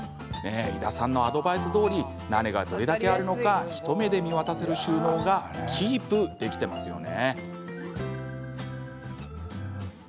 井田さんのアドバイスどおり何が、どれだけあるのか一目で見渡せる収納がキープできていますね。